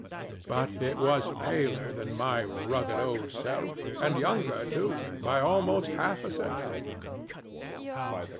But it was paler than my rugged old self, and younger, too, by almost half a century.